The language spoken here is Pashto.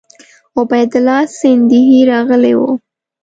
عبیدالله سیندهی راغلی وو.